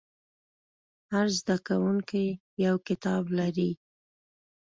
هر زده کوونکی یو کتاب لري.